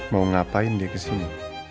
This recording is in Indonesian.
mau ngapain dia kesini